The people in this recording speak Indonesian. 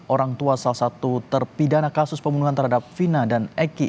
orang tua salah satu terpidana kasus pembunuhan terhadap vina dan eki